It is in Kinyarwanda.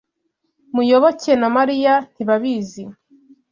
Muyoboke na Mariya ntibabizi.